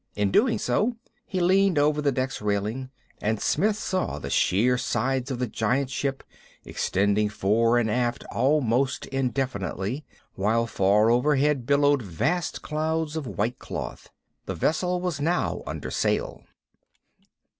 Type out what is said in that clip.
In doing so, he leaned over the deck's railing; and Smith saw the sheer sides of the giant ship, extending fore and aft almost indefinitely; while far overhead billowed vast clouds of white cloth. The vessel was now under sail.